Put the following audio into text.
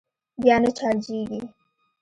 بيا نه چارجېږي.